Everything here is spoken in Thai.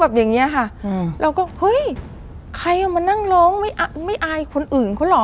อย่างเงี้ยค่ะอืมเราก็เฮ้ยใครเอามานั่งร้องไม่อายคนอื่นเขาเหรอ